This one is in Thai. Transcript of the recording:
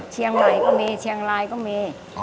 เชียงใหม่ก็มีเชียงรายก็มี